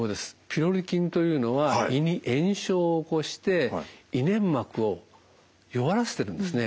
ピロリ菌というのは胃に炎症を起こして胃粘膜を弱らせてるんですね。